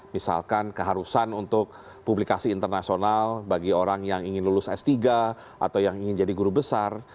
misalkan keharusan untuk publikasi internasional bagi orang yang ingin lulus s tiga atau yang ingin jadi guru besar